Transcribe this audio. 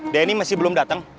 denny masih belum datang